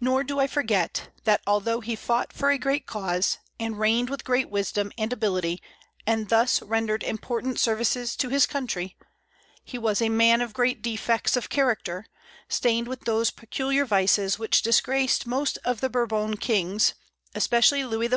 Nor do I forget, that, although he fought for a great cause, and reigned with great wisdom and ability, and thus rendered important services to his country, he was a man of great defects of character, stained with those peculiar vices which disgraced most of the Bourbon kings, especially Louis XIV.